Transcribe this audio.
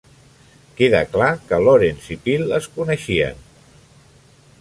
Queda clar que Lawrence i Peale es coneixien.